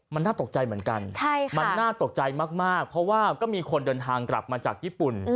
มันน่าตกใจเหมือนกันมันน่าตกใจมากเพราะว่าก็มีคนเดินทางกลับมาจากญี่ปุ่น